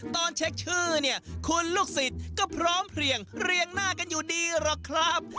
ตอนเช็คชื่อเนี่ยคุณลูกศิษย์ก็พร้อมเพลียงเรียงหน้ากันอยู่ดีหรอกครับ